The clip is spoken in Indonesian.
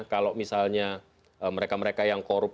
kalau misalnya mereka mereka yang korup